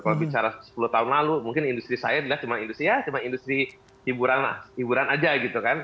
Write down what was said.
kalau bicara sepuluh tahun lalu mungkin industri saya dilihat cuma industri hiburan aja gitu kan